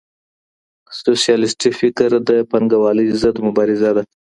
سوسیالیستي فکر د پانګه والۍ ضد مبارزه ده.